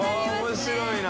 面白いな。